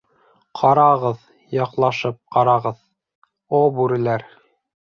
— Ҡарағыҙ, яҡшылап ҡарағыҙ, о бүреләр!